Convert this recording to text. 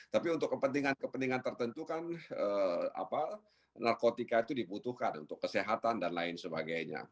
tapi untuk kepentingan kepentingan tertentu kan narkotika itu dibutuhkan untuk kesehatan dan lain sebagainya